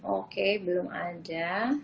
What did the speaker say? oke belum ada